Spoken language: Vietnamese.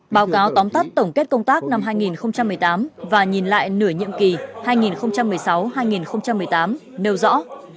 báo cáo tóm tắt tổng kết công tác năm hai nghìn một mươi tám và nhìn lại nửa nhiệm kỳ hai nghìn một mươi sáu hai nghìn một mươi tám nêu rõ